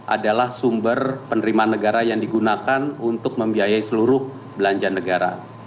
adalah sumber penerimaan negara yang digunakan untuk membiayai seluruh belanja negara